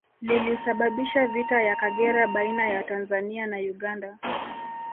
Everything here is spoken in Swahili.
Lilisababisha vita ya Kagera baina ya Tanzania na Uganda